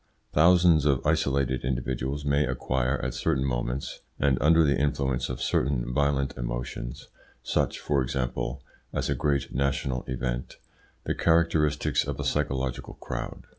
Thousands of isolated individuals may acquire at certain moments, and under the influence of certain violent emotions such, for example, as a great national event the characteristics of a psychological crowd.